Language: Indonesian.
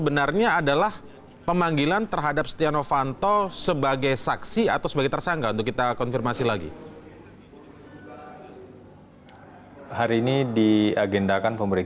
selamat malam bang febri